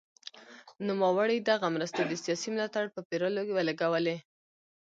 نوموړي دغه مرستې د سیاسي ملاتړ په پېرلو ولګولې.